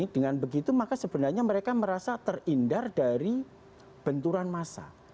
dengan begitu maka sebenarnya mereka merasa terhindar dari benturan massa